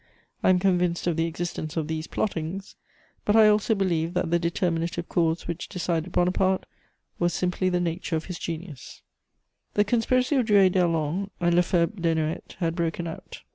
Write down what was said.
I am convinced of the existence of these plottings, but I also believe that the determinative cause which decided Bonaparte was simply the nature of his genius. [Sidenote: Bonapartist intrigues.] The conspiracy of Drouet d'Erlon and Lefebvre Desnoëttes had broken out.